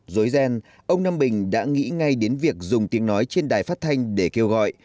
dối ghen ông nam bình đã nghĩ ngay đến việc dùng tiếng nói trên đài phát thanh để kêu gọi